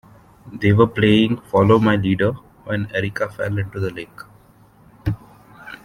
They were playing follow my leader when Erica fell into the lake.